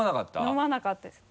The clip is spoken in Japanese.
飲まなかったです。